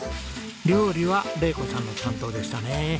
料理は玲子さんの担当でしたね。